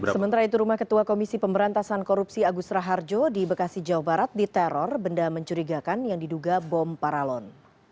sementara itu rumah ketua komisi pemberantasan korupsi agus raharjo di bekasi jawa barat diteror benda mencurigakan yang diduga bom paralon